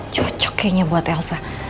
cocok kayaknya buat elsa